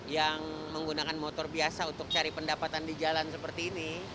yang menggunakan motor biasa untuk cari pendapatan di jalan seperti ini